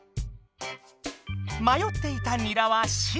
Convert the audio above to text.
まよっていたにらは「Ｃ」！